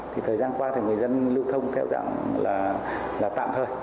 thì thời gian qua thì người dân lưu thông theo dạng là tạm thời